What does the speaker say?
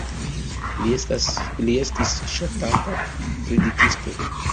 Li estis ŝatata predikisto.